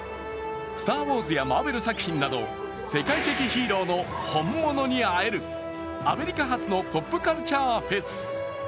「スター・ウォーズ」やマーベル作品など、世界的ヒーローの本物に会えるアメリカ発のポップカルチャーフェス。